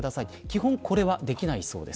基本これはできないそうです。